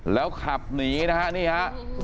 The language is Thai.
แล้วขับหนีนะครับนี่ครับ